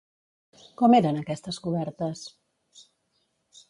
Com eren aquestes cobertes?